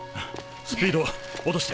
スピード落として。